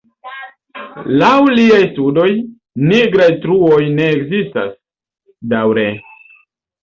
Laŭ liaj studoj, nigraj truoj ne ekzistas daŭre.